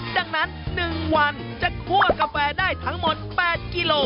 ดังนั้น๑วันจะคั่วกาแฟได้ทั้งหมด๘กิโล